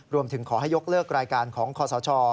รวมถึงขอให้ยกเลิกรายการของคอสช